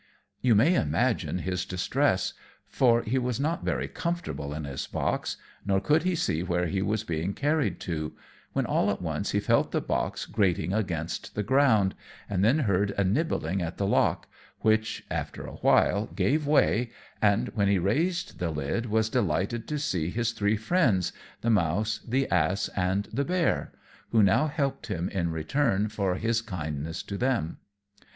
You may imagine his distress, for he was not very comfortable in his box, nor could he see where he was being carried to, when all at once he felt the box grating against the ground, and then heard a nibbling at the lock, which, after awhile, gave way, and when he raised the lid was delighted to see his three friends, the Mouse, the Ass, and the Bear, who now helped him in return for his kindness to them.